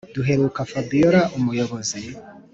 duheruka fabiora umuyobozi